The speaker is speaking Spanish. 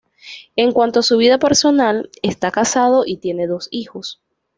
En cuanto a su vida personal, está casado y tiene dos hijos.